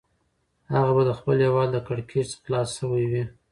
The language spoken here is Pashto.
هغه به د خپل هیواد له کړکېچ څخه خلاص شوی وي.